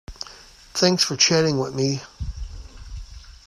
Thanks for chatting with me.